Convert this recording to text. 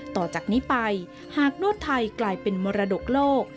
ต่อจากนี้ไปหากนวดไทยกลายเป็นมรดกโลก